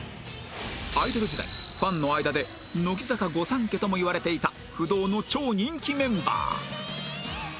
アイドル時代ファンの間で乃木坂御三家ともいわれていた不動の超人気メンバー